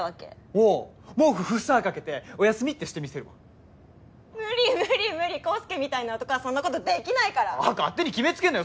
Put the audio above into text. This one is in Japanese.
おう毛布フッサー掛けておやすみってしてみせるわ無理無理無理康祐みたいな男はそんなことできないから勝手に決めつけんなよ